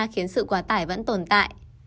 khiến sự quả tải vẫn tồn tại